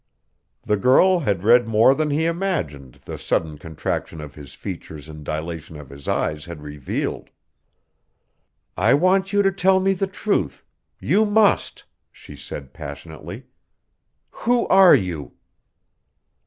The girl had read more than he imagined the sudden contraction of his features and dilation of his eyes had revealed. "I want you to tell me the truth you must!" she said passionately. "_Who are you?